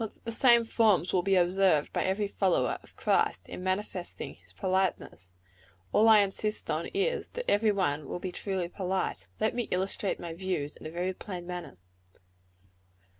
Not that the same forms will be observed by every follower of Christ, in manifesting his politeness; all I insist on is, that every one will be truly polite. Let me illustrate my views in a very plain manner.